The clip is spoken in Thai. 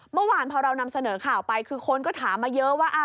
เมื่อวานพอเรานำเสนอข่าวไปคือคนก็ถามมาเยอะว่า